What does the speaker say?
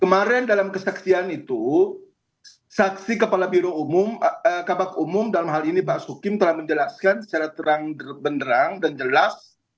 kemarin dalam kesaksian itu saksi kepala biro kabak umum dalam hal ini pak sukim telah menjelaskan secara terang benderang dan jelas